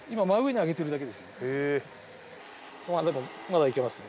あっでもまだ行けますね。